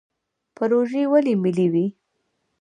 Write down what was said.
پروژې ولې ملي وي؟